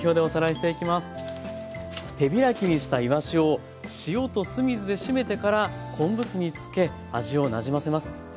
手開きにしたいわしを塩と酢水でしめてから昆布酢につけ味をなじませます。